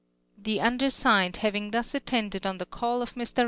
The undersig'ned, havj^ig tluis attended on the call of J\Ir.